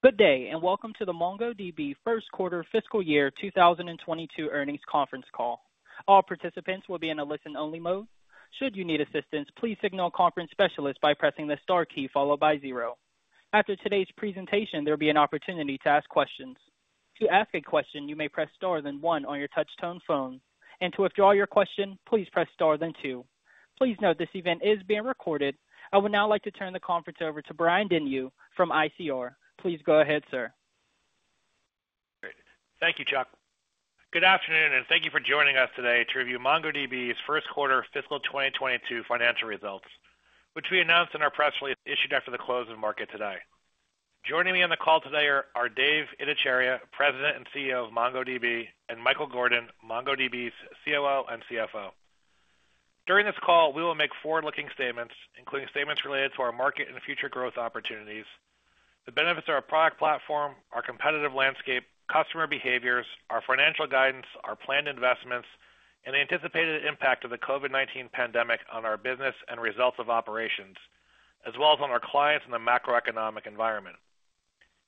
Good day. Welcome to the MongoDB first quarter fiscal year 2022 earnings conference call. All participants will be in a listen-only mode. Should you need assistance, please signal a conference specialist by pressing the star key followed by zero. After today's presentation, there'll be an opportunity to ask questions. To ask a question, you may press star then one on your touch-tone phone. To withdraw your question, please press star then two. Please note this event is being recorded. I would now like to turn the conference over to Brian Denyeau from ICR. Please go ahead, sir. Great. Thank you, Chuck. Good afternoon, and thank you for joining us today to review MongoDB's first quarter fiscal 2022 financial results, which we announced in our press release issued after the close of the market today. Joining me on the call today are Dev Ittycheria, President and CEO of MongoDB, and Michael Gordon, MongoDB's COO and CFO. During this call, we will make forward-looking statements, including statements related to our market and future growth opportunities, the benefits of our product platform, our competitive landscape, customer behaviors, our financial guidance, our planned investments, and the anticipated impact of the COVID-19 pandemic on our business and results of operations, as well as on our clients and the macroeconomic environment.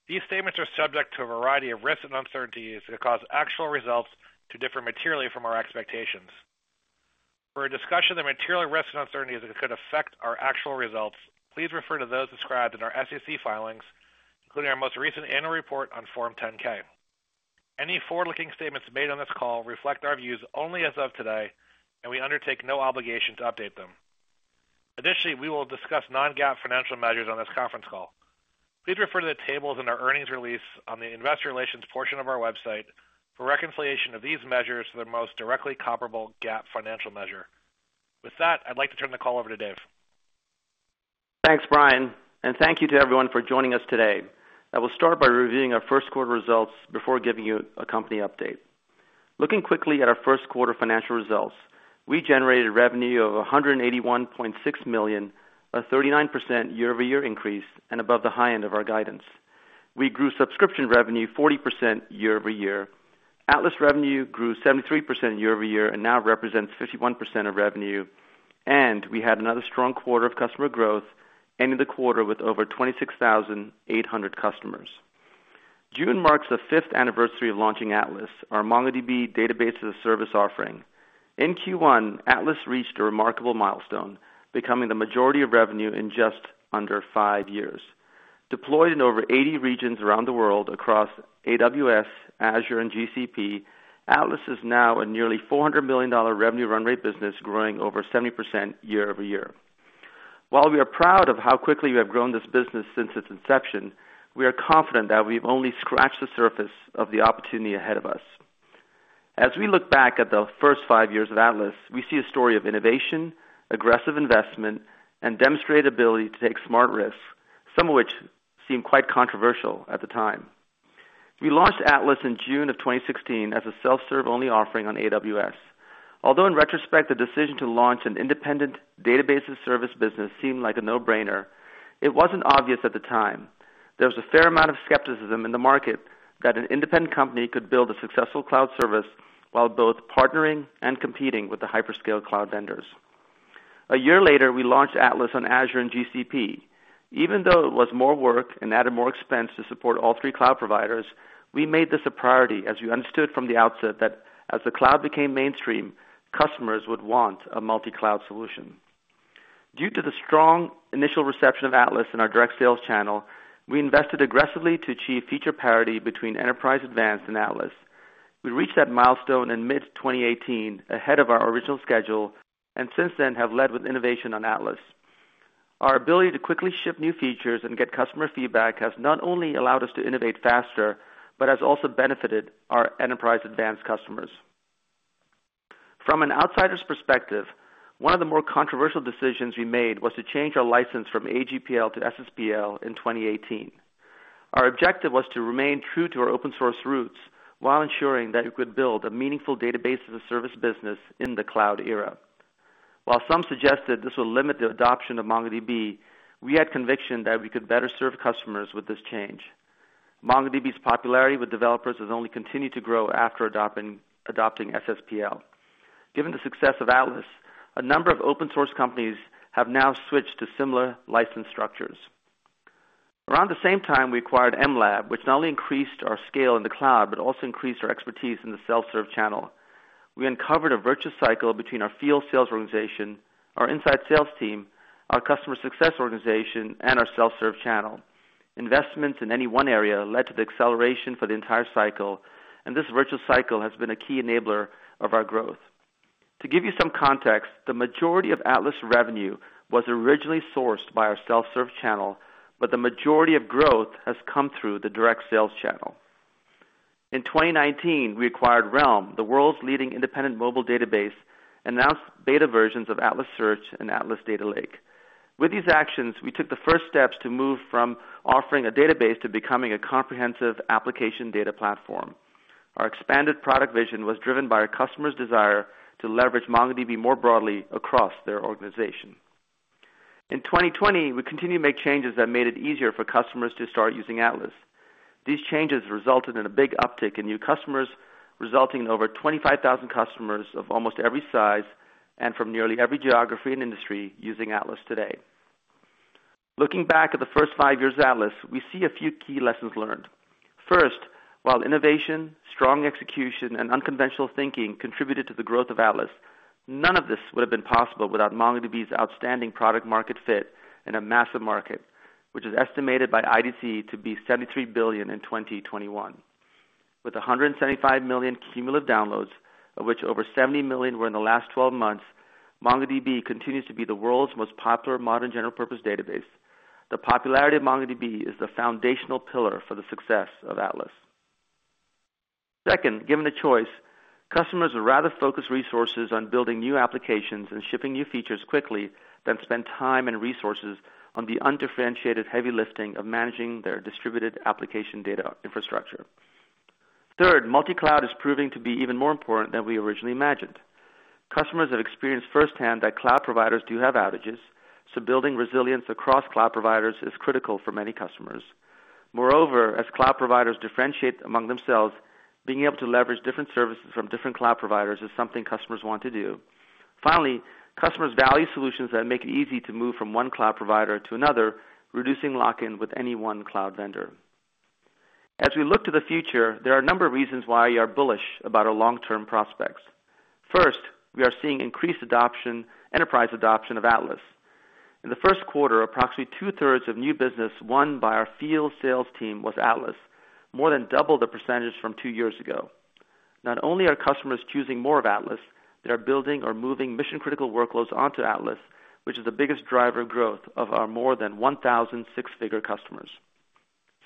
These statements are subject to a variety of risks and uncertainties that cause actual results to differ materially from our expectations. For a discussion of the material risks and uncertainties that could affect our actual results, please refer to those described in our SEC filings, including our most recent annual report on Form 10-K. Any forward-looking statements made on this call reflect our views only as of today, and we undertake no obligation to update them. Additionally, we will discuss non-GAAP financial measures on this conference call. Please refer to the tables in our earnings release on the investor relations portion of our website for a reconciliation of these measures to their most directly comparable GAAP financial measure. With that, I'd like to turn the call over to Dev. Thanks, Brian Denyeau, and thank you to everyone for joining us today. I will start by reviewing our first quarter results before giving you a company update. Looking quickly at our first quarter financial results, we generated revenue of $181.6 million, a 39% year-over-year increase, and above the high end of our guidance. We grew subscription revenue 40% year-over-year. Atlas revenue grew 73% year-over-year and now represents 51% of revenue, and we had another strong quarter of customer growth, ending the quarter with over 26,800 customers. June marks the fifth anniversary of launching Atlas, our MongoDB database-as-a-service offering. In Q1, Atlas reached a remarkable milestone, becoming the majority of revenue in just under five years. Deployed in over 80 regions around the world across AWS, Azure, and GCP, Atlas is now a nearly $400 million revenue run rate business growing over 70% year-over-year. While we are proud of how quickly we have grown this business since its inception, we are confident that we've only scratched the surface of the opportunity ahead of us. As we look back at the first five years of Atlas, we see a story of innovation, aggressive investment, and demonstrated ability to take smart risks, some of which seemed quite controversial at the time. We launched Atlas in June of 2016 as a self-serve-only offering on AWS. In retrospect, the decision to launch an independent database-as-a-service business seemed like a no-brainer, it wasn't obvious at the time. There was a fair amount of skepticism in the market that an independent company could build a successful cloud service while both partnering and competing with the hyperscale cloud vendors. A year later, we launched Atlas on Azure and GCP. Even though it was more work and added more expense to support all three cloud providers, we made this a priority as we understood from the outset that as the cloud became mainstream, customers would want a multi-cloud solution. Due to the strong initial reception of Atlas in our direct sales channel, we invested aggressively to achieve feature parity between Enterprise Advanced and Atlas. We reached that milestone in mid-2018, ahead of our original schedule, and since then have led with innovation on Atlas. Our ability to quickly ship new features and get customer feedback has not only allowed us to innovate faster but has also benefited our Enterprise Advanced customers. From an outsider's perspective, one of the more controversial decisions we made was to change our license from AGPL to SSPL in 2018. Our objective was to remain true to our open-source roots while ensuring that we could build a meaningful database-as-a-service business in the cloud era. While some suggested this would limit the adoption of MongoDB, we had conviction that we could better serve customers with this change. MongoDB's popularity with developers has only continued to grow after adopting SSPL. Given the success of Atlas, a number of open-source companies have now switched to similar license structures. Around the same time, we acquired mLab, which not only increased our scale in the cloud but also increased our expertise in the self-serve channel. We uncovered a virtuous cycle between our field sales organization, our inside sales team, our customer success organization, and our self-serve channel. Investments in any one area led to the acceleration for the entire cycle, and this virtuous cycle has been a key enabler of our growth. To give you some context, the majority of Atlas revenue was originally sourced by our self-serve channel, but the majority of growth has come through the direct sales channel. In 2019, we acquired Realm, the world's leading independent mobile database, and announced beta versions of Atlas Search and Atlas Data Lake. With these actions, we took the first steps to move from offering a database to becoming a comprehensive application data platform. Our expanded product vision was driven by our customers' desire to leverage MongoDB more broadly across their organization. In 2020, we continued to make changes that made it easier for customers to start using Atlas. These changes resulted in a big uptick in new customers, resulting in over 25,000 customers of almost every size and from nearly every geography and industry using Atlas today. Looking back at the first five years of Atlas, we see a few key lessons learned. First, while innovation, strong execution, and unconventional thinking contributed to the growth of Atlas, none of this would have been possible without MongoDB's outstanding product market fit in a massive market, which is estimated by IDC to be $73 billion in 2021. With 175 million cumulative downloads, of which over 70 million were in the last 12 months, MongoDB continues to be the world's most popular modern general-purpose database. The popularity of MongoDB is the foundational pillar for the success of Atlas. Second, given the choice, customers would rather focus resources on building new applications and shipping new features quickly than spend time and resources on the undifferentiated heavy lifting of managing their distributed application data infrastructure. Third, multi-cloud is proving to be even more important than we originally imagined. Customers have experienced firsthand that cloud providers do have outages, so building resilience across cloud providers is critical for many customers. Moreover, as cloud providers differentiate among themselves, being able to leverage different services from different cloud providers is something customers want to do. Finally, customers value solutions that make it easy to move from one cloud provider to another, reducing lock-in with any one cloud vendor. As we look to the future, there are a number of reasons why we are bullish about our long-term prospects. First, we are seeing increased enterprise adoption of Atlas. In the first quarter, approximately two-thirds of new business won by our field sales team was Atlas, more than double the percentage from two years ago. Not only are customers choosing more of Atlas, they are building or moving mission-critical workloads onto Atlas, which is the biggest driver of growth of our more than 1,000 six-figure customers.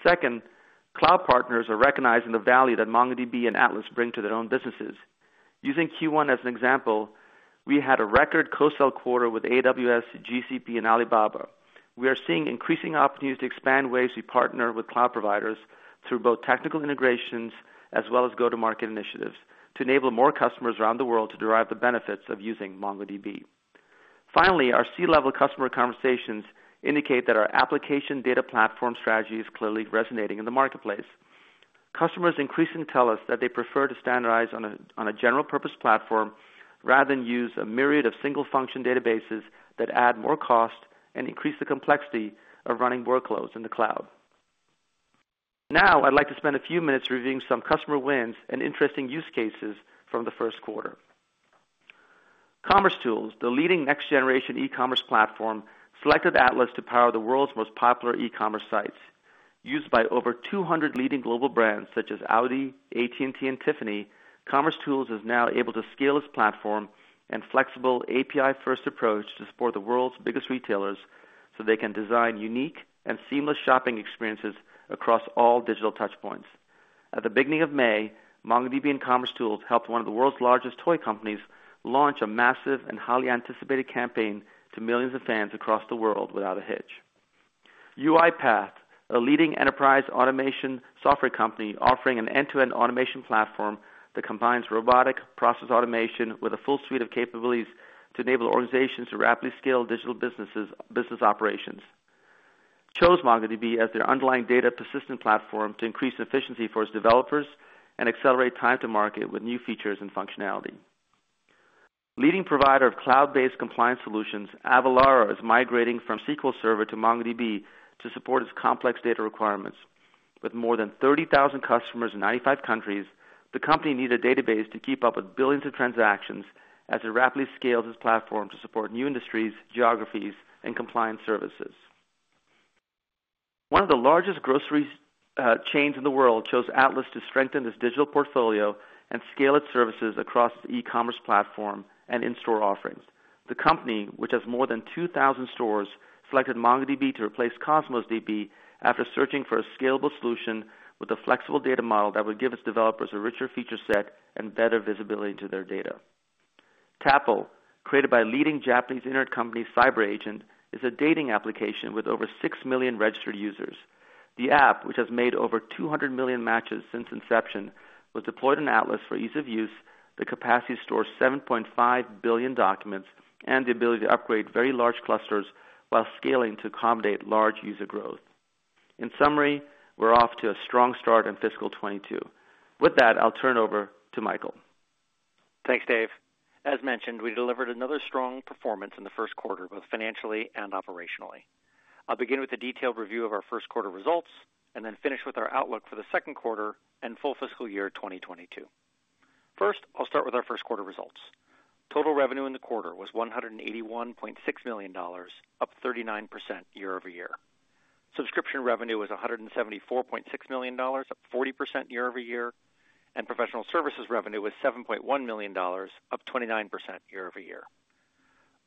Second, cloud partners are recognizing the value that MongoDB and Atlas bring to their own businesses. Using Q1 as an example, we had a record co-sell quarter with AWS, GCP, and Alibaba. We are seeing increasing opportunities to expand ways we partner with cloud providers through both technical integrations as well as go-to-market initiatives to enable more customers around the world to derive the benefits of using MongoDB. Finally, our C-level customer conversations indicate that our application data platform strategy is clearly resonating in the marketplace. Customers increasingly tell us that they prefer to standardize on a general-purpose platform rather than use a myriad of single-function databases that add more cost and increase the complexity of running workloads in the cloud. Now, I'd like to spend a few minutes reviewing some customer wins and interesting use cases from the first quarter. Commercetools, the leading next-generation e-commerce platform, selected Atlas to power the world's most popular e-commerce sites. Used by over 200 leading global brands such as Audi, AT&T, and Tiffany, commercetools is now able to scale its platform and flexible API-first approach to support the world's biggest retailers, so they can design unique and seamless shopping experiences across all digital touch points. At the beginning of May, MongoDB and commercetools helped one of the world's largest toy companies launch a massive and highly anticipated campaign to millions of fans across the world without a hitch. UiPath, a leading enterprise automation software company offering an end-to-end automation platform that combines robotic process automation with a full suite of capabilities to enable organizations to rapidly scale digital business operations, chose MongoDB as their underlying data persistence platform to increase efficiency for its developers and accelerate time to market with new features and functionality. Leading provider of cloud-based compliance solutions, Avalara, is migrating from SQL Server to MongoDB to support its complex data requirements. With more than 30,000 customers in 95 countries, the company needs a database to keep up with billions of transactions as it rapidly scales its platform to support new industries, geographies, and compliance services. One of the largest grocery chains in the world chose Atlas to strengthen its digital portfolio and scale its services across its e-commerce platform and in-store offerings. The company, which has more than 2,000 stores, selected MongoDB to replace Cosmos DB after searching for a scalable solution with a flexible data model that would give its developers a richer feature set and better visibility into their data. Tapple, created by leading Japanese internet company CyberAgent, is a dating application with over 6 million registered users. The app, which has made over 200 million matches since inception, was deployed on Atlas for ease of use, the capacity to store 7.5 billion documents, and the ability to operate very large clusters while scaling to accommodate large user growth. In summary, we're off to a strong start in fiscal 2022. With that, I'll turn it over to Michael. Thanks, Dev. As mentioned, we delivered another strong performance in the first quarter, both financially and operationally. I'll begin with a detailed review of our first quarter results and then finish with our outlook for the second quarter and full fiscal year 2022. First, I'll start with our first quarter results. Total revenue in the quarter was $181.6 million, up 39% year-over-year. Subscription revenue was $174.6 million, up 40% year-over-year, and professional services revenue was $7.1 million, up 29% year-over-year.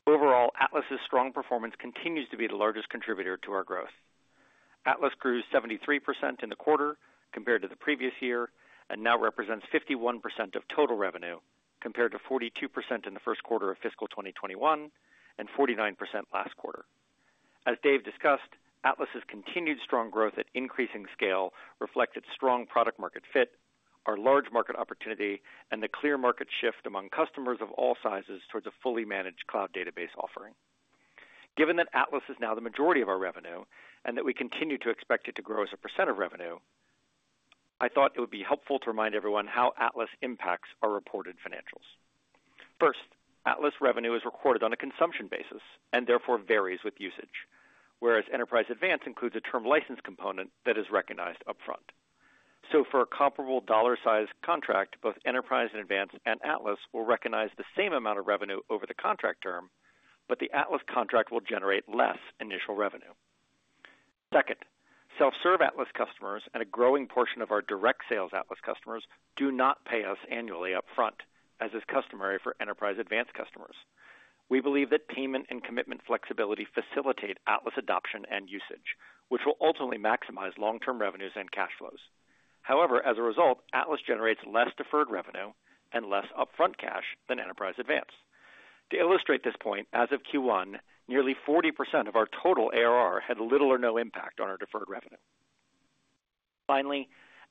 Overall, Atlas's strong performance continues to be the largest contributor to our growth. Atlas grew 73% in the quarter compared to the previous year and now represents 51% of total revenue, compared to 42% in the first quarter of fiscal 2021 and 49% last quarter. As Dev discussed, Atlas's continued strong growth at increasing scale reflects its strong product market fit, our large market opportunity, and the clear market shift among customers of all sizes towards a fully managed cloud database offering. Given that Atlas is now the majority of our revenue, I thought it would be helpful to remind everyone how Atlas impacts our reported financials. First, Atlas revenue is recorded on a consumption basis and therefore varies with usage, whereas Enterprise Advanced includes a term license component that is recognized upfront. For a comparable dollar size contract, both Enterprise Advanced and Atlas will recognize the same amount of revenue over the contract term, but the Atlas contract will generate less initial revenue. Self-serve Atlas customers and a growing portion of our direct sales Atlas customers do not pay us annually upfront, as is customary for Enterprise Advanced customers. We believe that payment and commitment flexibility facilitate Atlas adoption and usage, which will ultimately maximize long-term revenues and cash flows. As a result, Atlas generates less deferred revenue and less upfront cash than Enterprise Advanced. To illustrate this point, as of Q1, nearly 40% of our total ARR had little or no impact on our deferred revenue.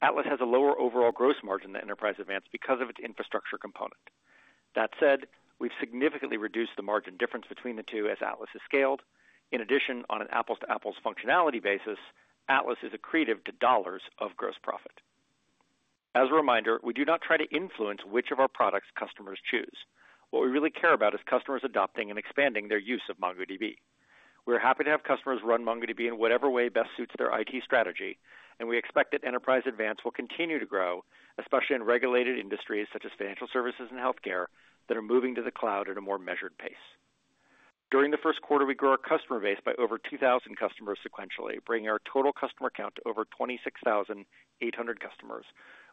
Atlas has a lower overall gross margin than Enterprise Advanced because of its infrastructure component. That said, we've significantly reduced the margin difference between the two as Atlas has scaled. On an apples-to-apples functionality basis, Atlas is accretive to dollars of gross profit. As a reminder, we do not try to influence which of our products customers choose. What we really care about is customers adopting and expanding their use of MongoDB. We're happy to have customers run MongoDB in whatever way best suits their IT strategy, and we expect that Enterprise Advanced will continue to grow, especially in regulated industries such as financial services and healthcare that are moving to the cloud at a more measured pace. During the first quarter, we grew our customer base by over 2,000 customers sequentially, bringing our total customer count to over 26,800 customers,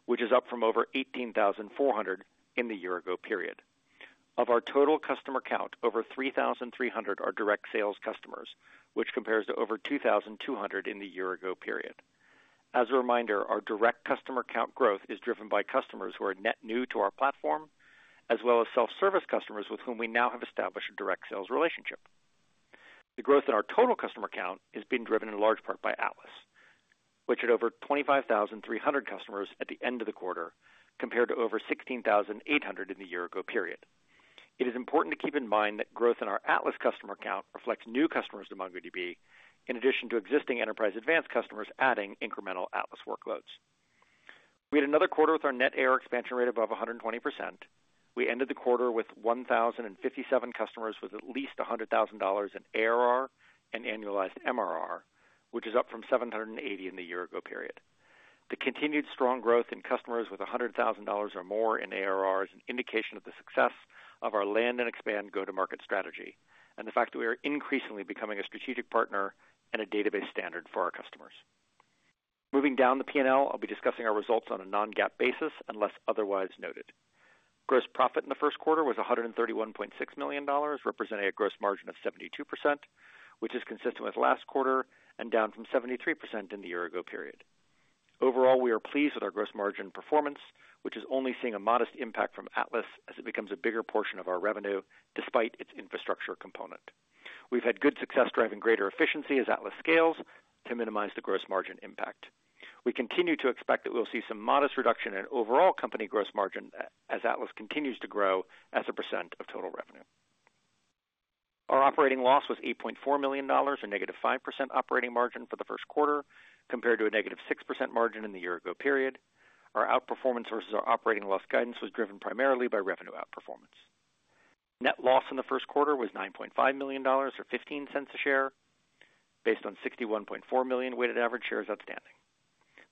which is up from over 18,400 in the year-ago period. Of our total customer count, over 3,300 are direct sales customers, which compares to over 2,200 in the year-ago period. As a reminder, our direct customer count growth is driven by customers who are net new to our platform, as well as self-service customers with whom we now have established a direct sales relationship. The growth in our total customer count is being driven in large part by MongoDB Atlas, which had over 25,300 customers at the end of the quarter, compared to over 16,800 in the year ago period. It is important to keep in mind that growth in our MongoDB Atlas customer count reflects new customers to MongoDB, in addition to existing MongoDB Enterprise Advanced customers adding incremental MongoDB Atlas workloads. We had another quarter with our net ARR expansion rate above 120%. We ended the quarter with 1,057 customers with at least $100,000 in ARR and annualized MRR, which is up from 780 in the year ago period. The continued strong growth in customers with $100,000 or more in ARR is an indication of the success of our land and expand go-to-market strategy, and the fact that we are increasingly becoming a strategic partner and a database standard for our customers. Moving down the P&L, I'll be discussing our results on a non-GAAP basis, unless otherwise noted. Gross profit in the first quarter was $131.6 million, representing a gross margin of 72%, which is consistent with last quarter and down from 73% in the year-ago period. Overall, we are pleased with our gross margin performance, which is only seeing a modest impact from Atlas as it becomes a bigger portion of our revenue, despite its infrastructure component. We've had good success driving greater efficiency as Atlas scales to minimize the gross margin impact. We continue to expect that we'll see some modest reduction in overall company gross margin as Atlas continues to grow as a percent of total revenue. Our operating loss was $8.4 million, or negative 5% operating margin for the first quarter, compared to a negative 6% margin in the year-ago period. Our outperformance versus our operating loss guidance was driven primarily by revenue outperformance. Net loss in the first quarter was $9.5 million, or $0.15 a share, based on 61.4 million weighted average shares outstanding.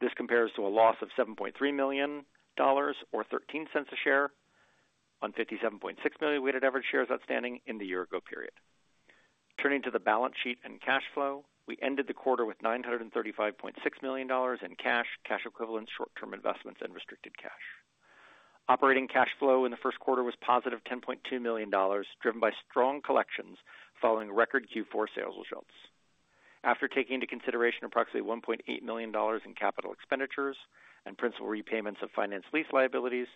This compares to a loss of $7.3 million, or $0.13 a share on 57.6 million weighted average shares outstanding in the year ago period. Turning to the balance sheet and cash flow, we ended the quarter with $935.6 million in cash equivalents, short-term investments, and restricted cash. Operating cash flow in the first quarter was positive $10.2 million, driven by strong collections following record Q4 sales results. After taking into consideration approximately $1.8 million in capital expenditures and principal repayments of finance lease liabilities,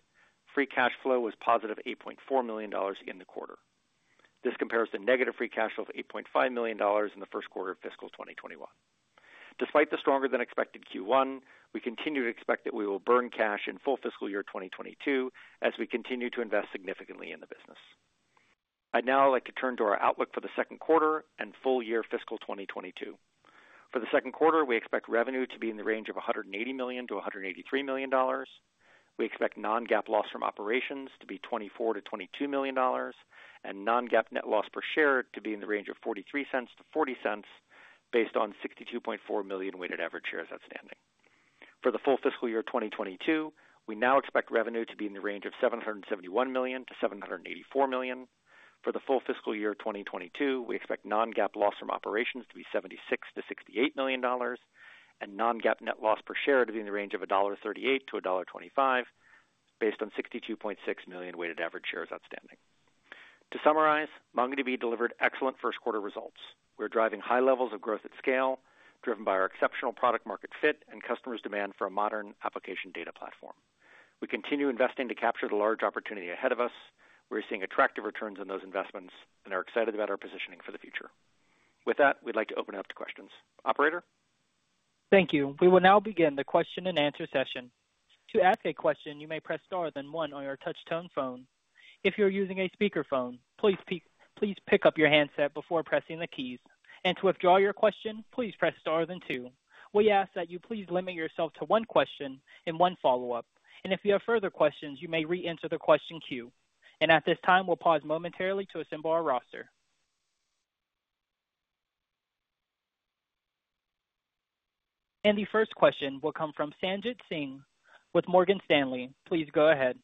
free cash flow was positive $8.4 million in the quarter. This compares to negative free cash flow of $8.5 million in the first quarter of fiscal 2021. Despite the stronger than expected Q1, we continue to expect that we will burn cash in full fiscal year 2022 as we continue to invest significantly in the business. I'd now like to turn to our outlook for the second quarter and full year fiscal 2022. For the second quarter, we expect revenue to be in the range of $180 million-$183 million. We expect non-GAAP loss from operations to be $24 million-$22 million, and non-GAAP net loss per share to be in the range of $0.43-$0.40 based on 62.4 million weighted average shares outstanding. For the full fiscal year 2022, we now expect revenue to be in the range of $771 million-$784 million. For the full fiscal year 2022, we expect non-GAAP loss from operations to be $76 million-$68 million and non-GAAP net loss per share to be in the range of $1.38-$1.25 based on 62.6 million weighted average shares outstanding. To summarize, MongoDB delivered excellent first quarter results. We're driving high levels of growth at scale, driven by our exceptional product market fit and customers' demand for a modern application data platform. We continue investing to capture the large opportunity ahead of us. We're seeing attractive returns on those investments and are excited about our positioning for the future. With that, we'd like to open it up to questions. Operator? Thank you. We will now begin the question-and-answer session. To ask a question, you may press star then one on your touch tone phone. If you're using a speakerphone, please pick up your handset before pressing the keys. To withdraw your question, please press star then two. We ask that you please limit yourself to one question and one follow-up. If you have further questions, you may re-enter the question queue. At this time, we'll pause momentarily to assemble our roster. The first question will come from Sanjit Singh with Morgan Stanley. Please go ahead.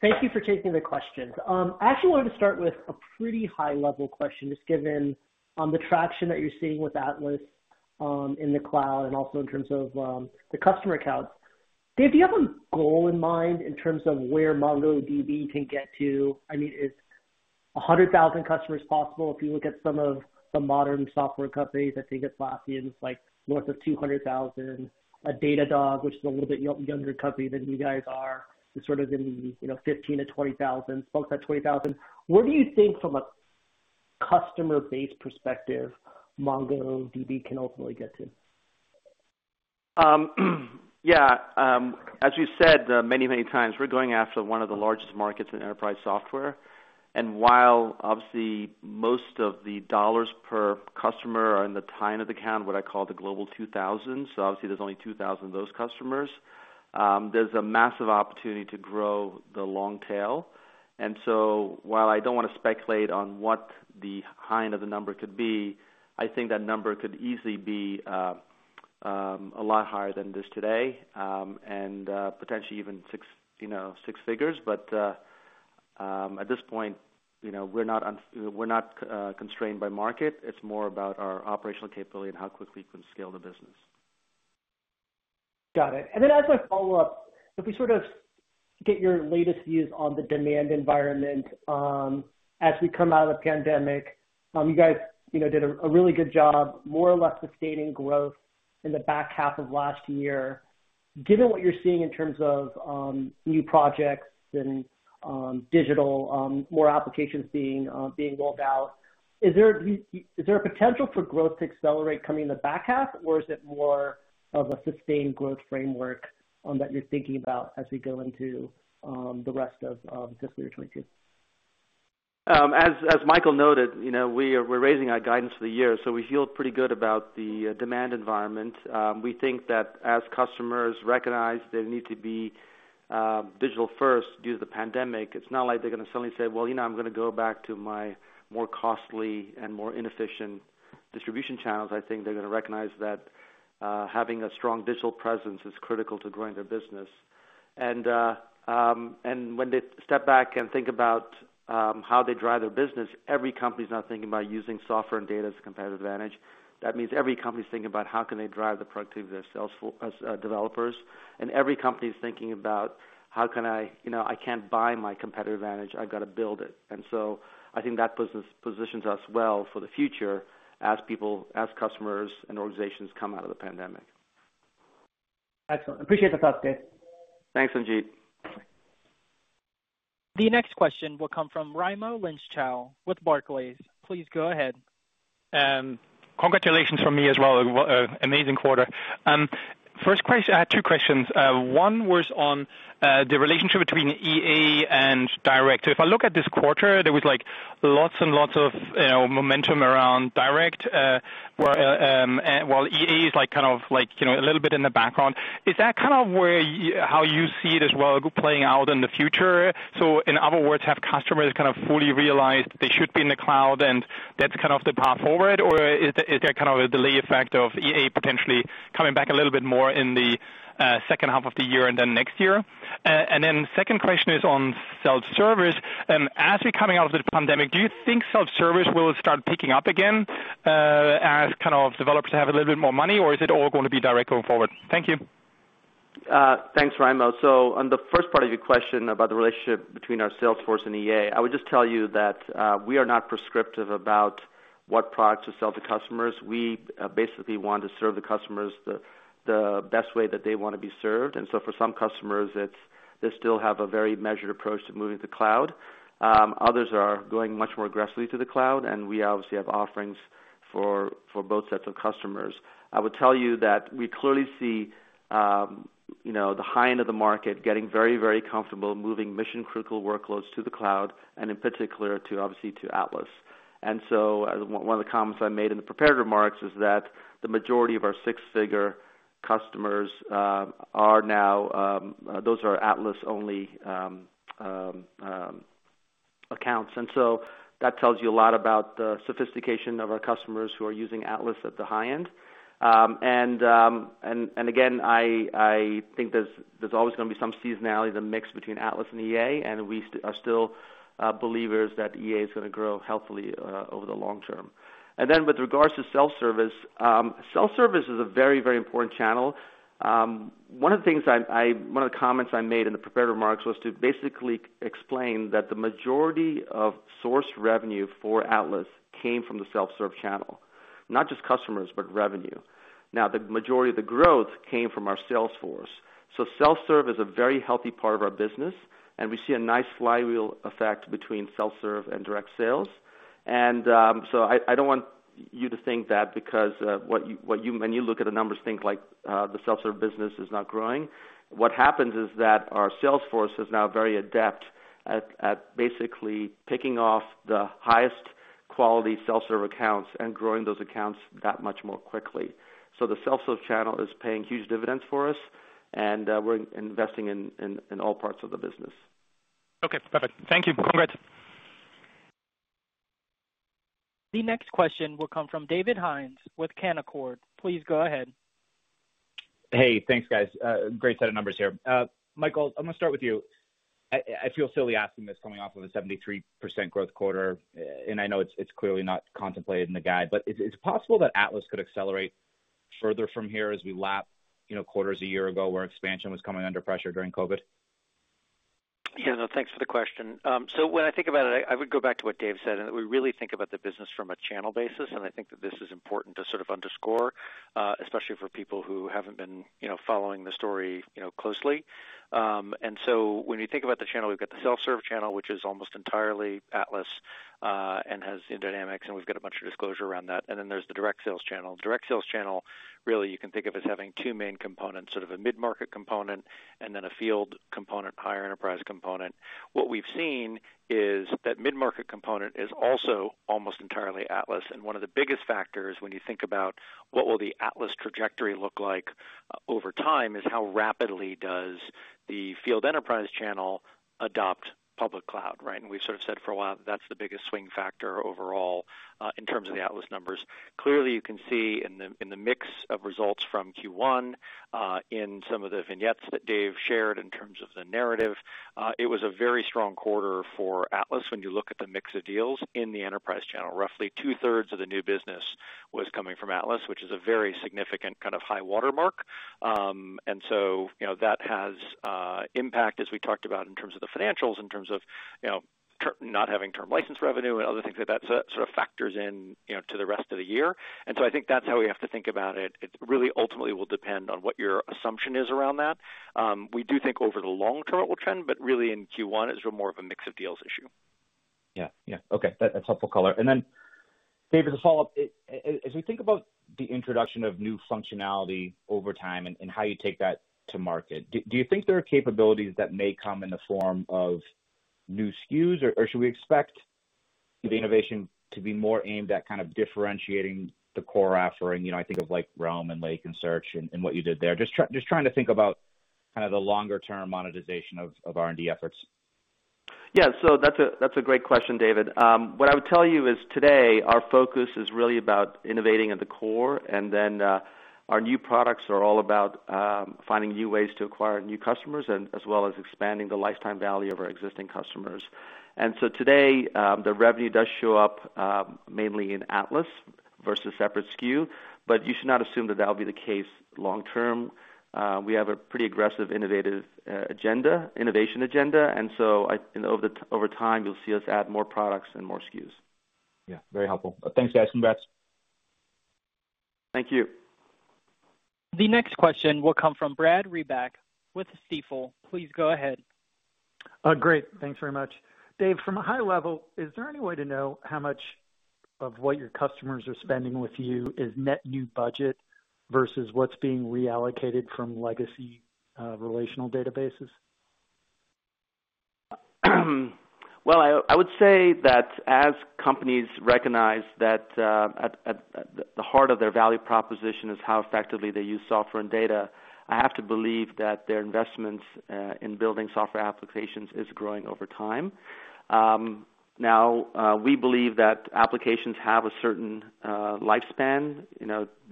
Thank you for taking the question. I actually want to start with a pretty high-level question, just given the traction that you're seeing with Atlas in the cloud and also in terms of the customer accounts. Dev, do you have a goal in mind in terms of where MongoDB can get to? I mean, is 100,000 customers possible? If you look at some of the modern software companies like Atlassian, it's north of 200,000. A Datadog, which is a little bit younger company than you guys are, is sort of in the 15,000-20,000, close to 20,000. What do you think from a customer base perspective MongoDB can ultimately get to? As we said many, many times, we're going after one of the largest markets in enterprise software. While obviously most of the $ per customer are in the top of the pyramid, what I call the Global 2000, so obviously there's only 2,000 of those customers, there's a massive opportunity to grow the long tail. While I don't want to speculate on what the high end of the number could be, I think that number could easily be a lot higher than it is today, and potentially even six figures. At this point, we're not constrained by market. It's more about our operational capability and how quickly we can scale the business. Got it. As a follow-up, if we sort of get your latest views on the demand environment as we come out of the pandemic. You guys did a really good job, more or less sustaining growth in the back half of last year. Given what you're seeing in terms of new projects and digital, more applications being rolled out, is there a potential for growth to accelerate coming in the back half, or is it more of a sustained growth framework that you're thinking about as we go into the rest of this fiscal year, Dev? As Michael noted, we're raising our guidance for the year. We feel pretty good about the demand environment. We think that as customers recognize they need to be digital first due to the pandemic, it's not like they're going to suddenly say, "Well, I'm going to go back to my more costly and more inefficient distribution channels." I think they're going to recognize that having a strong digital presence is critical to growing their business. When they step back and think about how they drive their business, every company's now thinking about using software and data as a competitive advantage. That means every company's thinking about how can they drive the productivity of their sales developers, and every company's thinking about I can't buy my competitive advantage, I got to build it. I think that positions us well for the future as people, as customers, and organizations come out of the pandemic. Excellent. Appreciate the thoughts, Dev. Thanks, Sanjit. The next question will come from Raimo Lenschow with Barclays. Please go ahead. Congratulations from me as well. Amazing quarter. First question, I had two questions. One was on the relationship between EA and direct. If I look at this quarter, there was lots and lots of momentum around direct, while EA is a little bit in the background. Is that how you see it as well playing out in the future? In other words, have customers kind of fully realized they should be in the cloud, and that's the path forward? Or is there a delay effect of EA potentially coming back a little bit more in the second half of the year and then next year? Second question is on self-service. As we're coming out of the pandemic, do you think self-service will start picking up again as developers have a little bit more money, or is it all going to be direct going forward? Thank you. Thanks, Raimo. On the first part of your question about the relationship between our sales force and EA, I would just tell you that we are not prescriptive about what products we sell to customers. We basically want to serve the customers the best way that they want to be served. For some customers, they still have a very measured approach to moving to cloud. Others are going much more aggressively to the cloud, and we obviously have offerings for both sets of customers. I would tell you that we clearly see the high end of the market getting very, very comfortable moving mission-critical workloads to the cloud, and in particular, obviously to Atlas. One of the comments I made in the prepared remarks is that the majority of our six-figure customers are now, those are Atlas-only accounts. That tells you a lot about the sophistication of our customers who are using Atlas at the high end. Again, I think there's always going to be some seasonality in the mix between Atlas and EA, and we are still believers that EA is going to grow healthily over the long term. With regards to self-service, self-service is a very, very important channel. One of the comments I made in the prepared remarks was to basically explain that the majority of sourced revenue for Atlas came from the self-serve channel, not just customers, but revenue. Now, the majority of the growth came from our sales force. Self-serve is a very healthy part of our business, and we see a nice flywheel effect between self-serve and direct sales. You'd think that because when you look at the numbers, think like the self-serve business is not growing. What happens is that our sales force is now very adept at basically picking off the highest quality self-serve accounts and growing those accounts that much more quickly. The self-serve channel is paying huge dividends for us, and we're investing in all parts of the business. Okay, got it. Thank you both. The next question will come from David Hynes with Canaccord. Please go ahead. Hey, thanks, guys. Great set of numbers here. Michael, I'm going to start with you. I feel silly asking this coming off of a 73% growth quarter, and I know it's clearly not contemplated in the guide, but is it possible that Atlas could accelerate further from here as we lap quarters a year ago where expansion was coming under pressure during COVID? Yeah. No, thanks for the question. When I think about it, I would go back to what Dev said, that we really think about the business from a channel basis, and I think that this is important to sort of underscore, especially for people who haven't been following the story closely. When you think about the channel, we've got the self-serve channel, which is almost entirely Atlas, and has dynamics, and we've got a bunch of disclosure around that. There's the direct sales channel. Direct sales channel, really, you can think of as having two main components, sort of a mid-market component and then a field component, higher enterprise component. What we've seen is that mid-market component is also almost entirely Atlas. One of the biggest factors when you think about what will the Atlas trajectory look like over time is how rapidly does the field enterprise channel adopt public cloud, right? We've sort of said for a while that's the biggest swing factor overall in terms of the Atlas numbers. Clearly, you can see in the mix of results from Q1 in some of the vignettes that Dev shared in terms of the narrative, it was a very strong quarter for Atlas when you look at the mix of deals in the enterprise channel. Roughly 2/3 of the new business was coming from Atlas, which is a very significant kind of high watermark. That has impact, as we talked about in terms of the financials, in terms of not having term license revenue and other things like that. That sort of factors in to the rest of the year. I think that's how we have to think about it. It really ultimately will depend on what your assumption is around that. We do think over the long term it will trend, but really in Q1 it's more of a mix of deals issue. Yeah. Okay. That's helpful color. Dev, as we think about the introduction of new functionality over time and how you take that to market, do you think there are capabilities that may come in the form of new SKUs, or should we expect the innovation to be more aimed at kind of differentiating the core offering? I think of Realm and Lake and Search and what you did there. Just trying to think about the longer-term monetization of R&D efforts. Yeah. That's a great question, David. What I would tell you is today our focus is really about innovating at the core, and then our new products are all about finding new ways to acquire new customers, as well as expanding the lifetime value of our existing customers. Today, the revenue does show up mainly in Atlas versus separate SKU, but you should not assume that that'll be the case long term. We have a pretty aggressive innovation agenda, over time you'll see us add more products and more SKUs. Yeah, very helpful. Thanks, guys. Congrats. Thank you. The next question will come from Brad Reback with Stifel. Please go ahead. Great. Thanks very much. Dev, from a high level, is there any way to know how much of what your customers are spending with you is net new budget versus what's being reallocated from legacy relational databases? Well, I would say that as companies recognize that at the heart of their value proposition is how effectively they use software and data, I have to believe that their investments in building software applications is growing over time. Now, we believe that applications have a certain lifespan,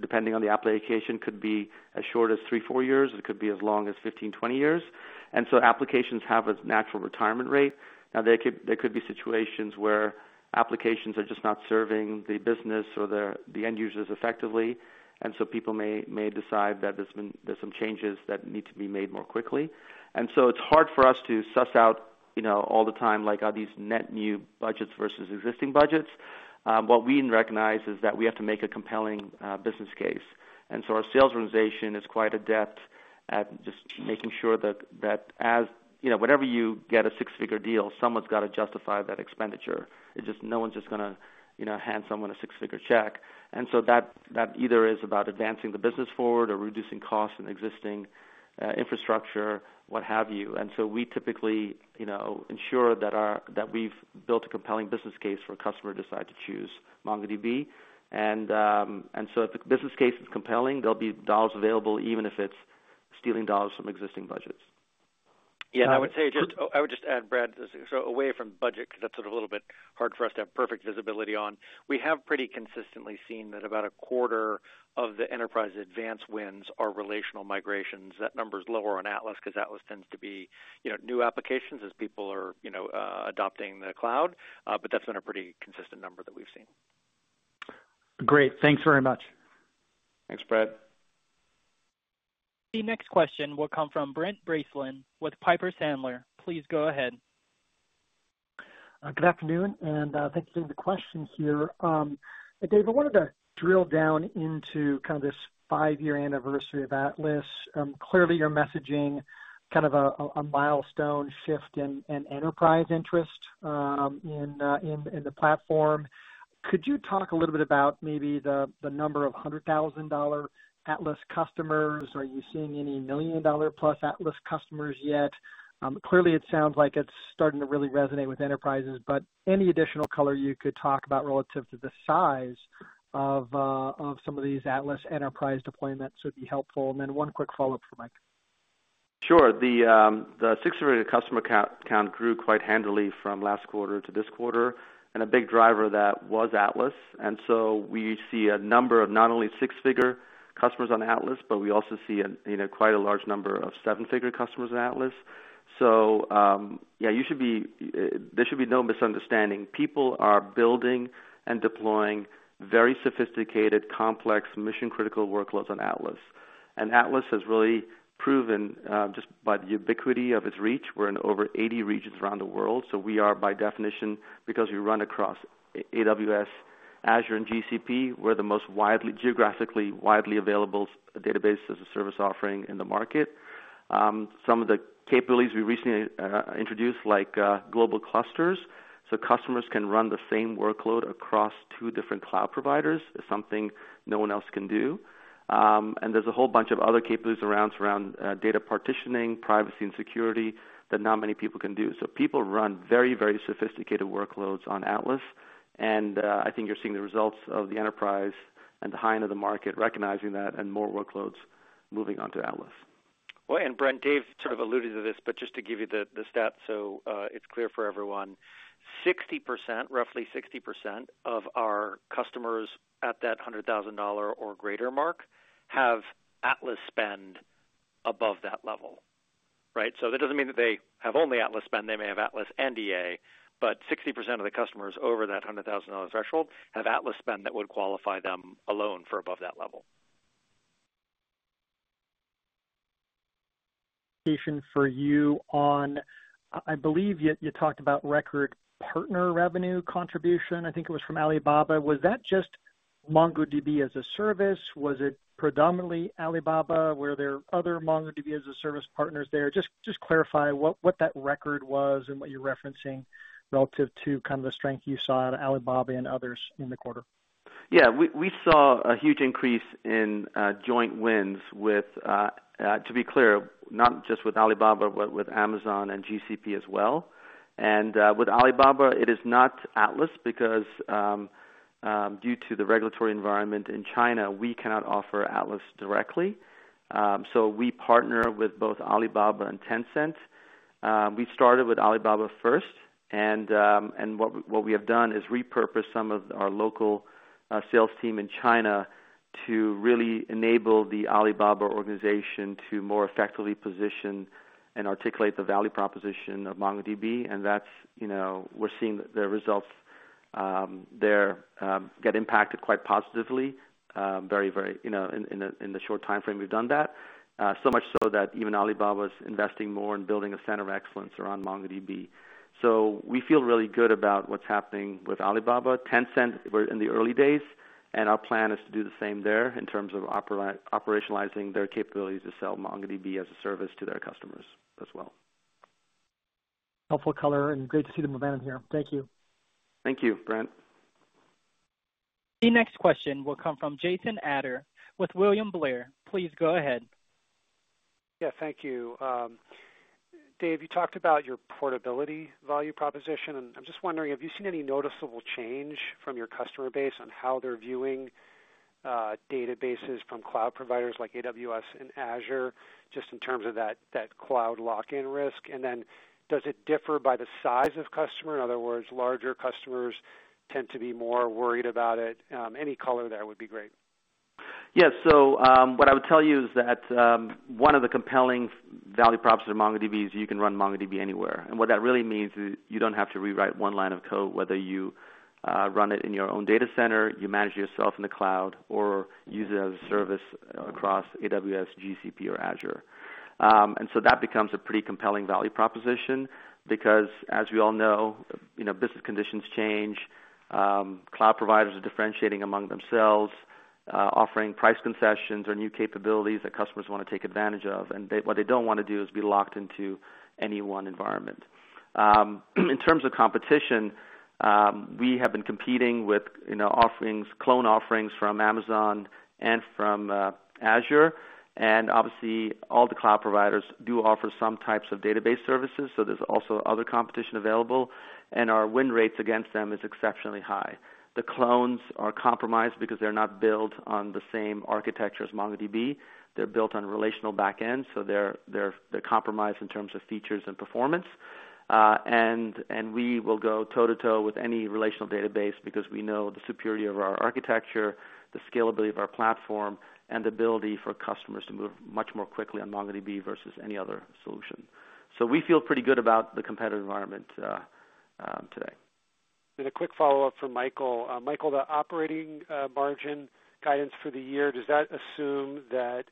depending on the application, could be as short as three, four years, it could be as long as 15, 20 years. Applications have a natural retirement rate. Now, there could be situations where applications are just not serving the business or the end users effectively, and so people may decide that there's some changes that need to be made more quickly. It's hard for us to suss out all the time, like, are these net new budgets versus existing budgets? What we recognize is that we have to make a compelling business case. Our sales organization is quite adept at just making sure that whenever you get a six-figure deal, someone's got to justify that expenditure. No one's just going to hand someone a six-figure check. That either is about advancing the business forward or reducing costs in existing infrastructure, what have you. We typically ensure that we've built a compelling business case for a customer to decide to choose MongoDB. If the business case is compelling, there'll be dollars available, even if it's stealing dollars from existing budgets. I would just add, Brad, away from budget, because that's a little bit hard for us to have perfect visibility on. We have pretty consistently seen that about a quarter of the Enterprise Advanced wins are relational migrations. That number's lower on Atlas because Atlas tends to be new applications as people are adopting the cloud. That's been a pretty consistent number that we've seen. Great. Thanks very much. Thanks, Brad. The next question will come from Brent Bracelin with Piper Sandler. Please go ahead. Good afternoon, thanks for the questions here. Dev, I wanted to drill down into kind of this five-year anniversary of Atlas. Clearly, you're messaging kind of a milestone shift in enterprise interest in the platform. Could you talk a little bit about maybe the number of $100,000 Atlas customers? Are you seeing any million-dollar-plus Atlas customers yet? Clearly, it sounds like it's starting to really resonate with enterprises, any additional color you could talk about relative to the size of some of these Atlas enterprise deployments would be helpful. One quick follow-up for Mike. Sure. The six-figure customer count grew quite handily from last quarter to this quarter, a big driver that was Atlas. We see a number of not only six-figure customers on Atlas, but we also see quite a large number of seven-figure customers on Atlas. There should be no misunderstanding. People are building and deploying very sophisticated, complex, mission-critical workloads on Atlas. Atlas has really proven, just by the ubiquity of its reach, we're in over 80 regions around the world. We are by definition, because we run across AWS, Azure, and GCP. We're the most geographically widely available database as a service offering in the market. Some of the capabilities we recently introduced, like Global Clusters, so customers can run the same workload across two different cloud providers, is something no one else can do. There's a whole bunch of other capabilities around data partitioning, privacy, and security that not many people can do. People run very sophisticated workloads on Atlas, and I think you're seeing the results of the enterprise and the high end of the market recognizing that, and more workloads moving onto Atlas. Brent, Dev sort of alluded to this, but just to give you the stats so it's clear for everyone, roughly 60% of our customers at that $100,000 or greater mark have Atlas spend above that level. Right? That doesn't mean that they have only Atlas spend, they may have Atlas and EA, but 60% of the customers over that $100,000 threshold have Atlas spend that would qualify them alone for above that level. Clarification for you on I believe you talked about record partner revenue contribution, I think it was from Alibaba. Was that just MongoDB as a service? Was it predominantly Alibaba? Were there other MongoDB-as-a-service partners there? Just clarify what that record was and what you're referencing relative to the strength you saw in Alibaba and others in the quarter. Yeah, we saw a huge increase in joint wins with, to be clear, not just with Alibaba, but with Amazon and GCP as well. With Alibaba, it is not Atlas because, due to the regulatory environment in China, we cannot offer Atlas directly. We partner with both Alibaba and Tencent. We started with Alibaba first, and what we have done is repurpose some of our local sales team in China to really enable the Alibaba organization to more effectively position and articulate the value proposition of MongoDB. We're seeing their results there get impacted quite positively in the short timeframe we've done that. Much so that even Alibaba is investing more in building a center of excellence around MongoDB. We feel really good about what's happening with Alibaba. Tencent, we're in the early days, and our plan is to do the same there in terms of operationalizing their capability to sell MongoDB as a service to their customers as well. Helpful color, and good to see the momentum here. Thank you. Thank you, Brent. The next question will come from Jason Ader with William Blair. Please go ahead. Yeah, thank you. Dev, you talked about your portability value proposition. I'm just wondering, have you seen any noticeable change from your customer base on how they're viewing databases from cloud providers like AWS and Azure, just in terms of that cloud lock-in risk? Does it differ by the size of customer? In other words, larger customers tend to be more worried about it. Any color there would be great. Yeah. What I would tell you is that one of the compelling value props of MongoDB is you can run MongoDB anywhere. What that really means is you don't have to rewrite one line of code, whether you run it in your own data center, you manage it yourself in the cloud, or use it as a service across AWS, GCP, or Azure. That becomes a pretty compelling value proposition because as we all know, business conditions change. Cloud providers are differentiating among themselves, offering price concessions or new capabilities that customers want to take advantage of. What they don't want to do is be locked into any one environment. In terms of competition, we have been competing with clone offerings from Amazon and from Azure. Obviously, all the cloud providers do offer some types of database services, so there's also other competition available, and our win rates against them is exceptionally high. The clones are compromised because they're not built on the same architecture as MongoDB. They're built on relational back ends, so they're compromised in terms of features and performance. We will go toe-to-toe with any relational database because we know the superiority of our architecture, the scalability of our platform, and ability for customers to move much more quickly on MongoDB versus any other solution. We feel pretty good about the competitive environment today. A quick follow-up for Michael. Michael, the operating margin guidance for the year, does that assume that